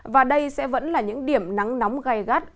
và đây sẽ vẫn là những điểm nắng nóng gai gắt